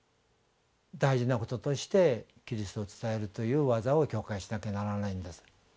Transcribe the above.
大事なこととしてキリストを伝えるという業を教会はしなきゃならないんです。